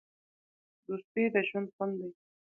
دوستي د ژوند خوند دی.